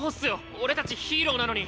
俺たちヒーローなのに！